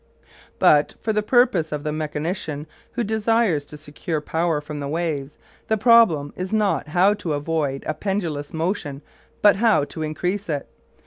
But, for the purposes of the mechanician who desires to secure power from the waves, the problem is not how to avoid a pendulous motion but how to increase it.